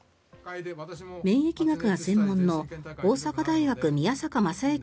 免疫学が専門の大阪大学宮坂昌之